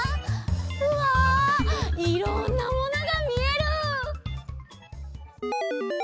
うわいろんなものがみえる！